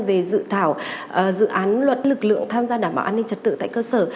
về dự thảo dự án luật lực lượng tham gia đảm bảo an ninh trật tự tại cơ sở